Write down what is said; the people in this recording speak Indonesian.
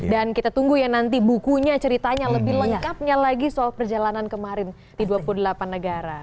dan kita tunggu ya nanti bukunya ceritanya lebih lengkapnya lagi soal perjalanan kemarin di dua puluh delapan negara